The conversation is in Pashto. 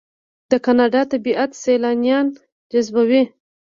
د کاناډا طبیعت سیلانیان جذبوي.